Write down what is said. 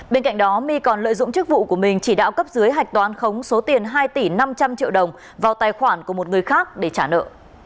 bên cạnh đó my còn lợi dụng chức vụ của mình chỉ đạo cấp dưới hạch toán khống số tiền hai tỷ năm trăm linh triệu đồng vào tài khoản của một người khác để trả nợ